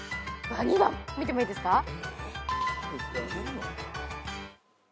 ２番見てもいいですか？